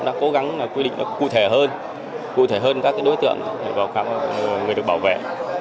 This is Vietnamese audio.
đã cố gắng quy định nó cụ thể hơn cụ thể hơn các đối tượng để vào khám người được bảo vệ